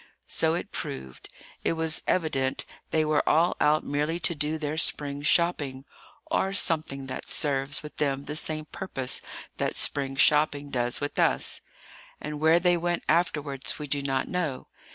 So it proved. It was evident they were all out merely to do their spring shopping, or something that serves with them the same purpose that spring shopping does with us; and where they went afterwards we do not know.